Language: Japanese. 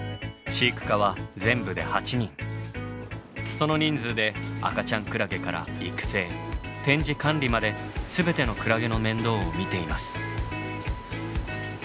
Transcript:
その人数で赤ちゃんクラゲから育成展示管理まで全てのクラゲの面倒を見ています。